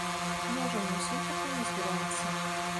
Не ажаніўся і пакуль не збіраецца.